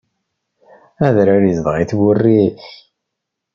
Adrar izdeɣ-it wurrif.